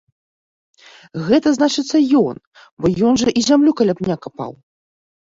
Гэта, значыцца, ён, бо ён жа і зямлю каля пня капаў.